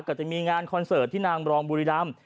ก็จะมีงานคอนเสิร์ตที่นางบรองบุรีรำ